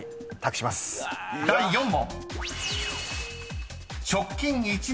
［第４問］